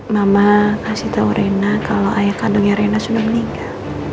mama kasih tahu rena kalau ayah kandungnya rena sudah meninggal